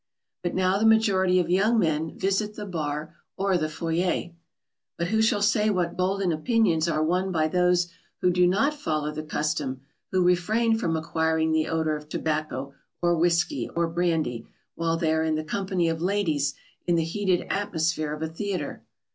But now the majority of young men visit the bar or the foyer. [Sidenote: How a man may win golden opinions.] But who shall say what golden opinions are won by those who do not follow the custom, who refrain from acquiring the odour of tobacco, or whiskey, or brandy while they are in the company of ladies in the heated atmosphere of a theatre?